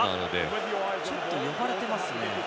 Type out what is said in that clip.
ちょっと呼ばれていますか。